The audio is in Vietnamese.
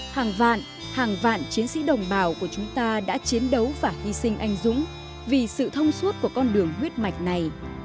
hàng vạn hàng vạn chiến sĩ đồng bào của chúng ta đã chiến đấu và hy sinh anh dũng vì sự thông suốt của con đường huyết mạch này